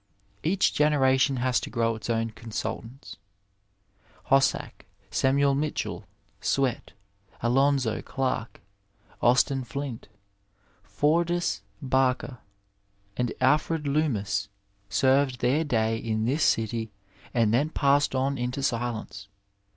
Each generation has to grow its own consultants. Hos sack, Samuel Mitchill, Swett, Alonzo Clark, Austin Flint, Fordyce Barker, and Alfred Loomis, served their day in this city, and then passed on into silence.